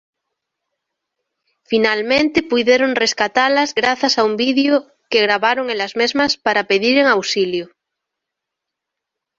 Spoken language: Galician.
Finalmente puideron rescatalas grazas a un vídeo que gravaron elas mesmas para pediren auxilio.